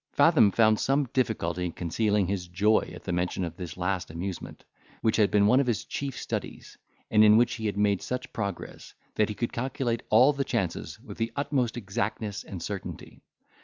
Fathom found some difficulty in concealing his joy at the mention of this last amusement, which had been one of his chief studies, and in which he had made such progress, that he could calculate all the chances with the utmost exactness and certainty.